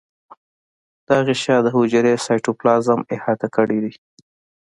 دا غشا د حجرې سایتوپلازم احاطه کړی دی.